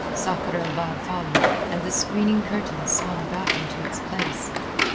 Sakr el Bahr followed, and the screening curtain swung back into its place.